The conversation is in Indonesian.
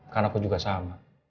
kan aku juga sama